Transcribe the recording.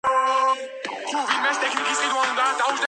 ითვლება ქალაქის ფინანსური რაიონის ისტორიულ ცენტრად.